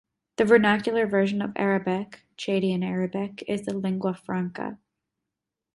A vernacular version of Arabic, Chadian Arabic, is the lingua franca.